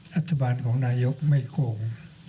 รัฐบาลของนายกไม่โกง